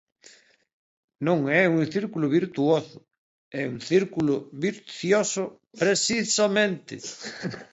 Non é un círculo virtuoso, é un círculo vicioso precisamente.